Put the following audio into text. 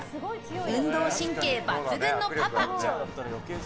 運動神経抜群のパパ。